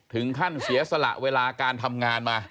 ถึงขั้นเสียสละเวลาการทำงานมา